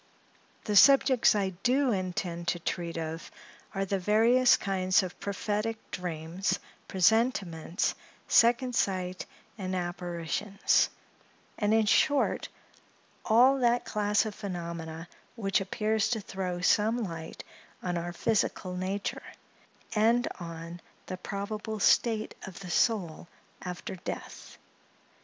The subjects I do intend to treat of are the various kinds of prophetic dreams, presentiments, second sight, and apparitions; and, in short, all that class of phenomena which appears to throw some light on our physical nature, and on the probable state of the soul after death.